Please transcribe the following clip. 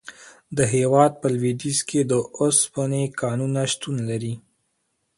د هیواد په لویدیځ کې د اوسپنې کانونه شتون لري.